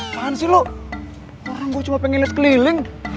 apaan sih lu orang gua cuma pengen liat keliling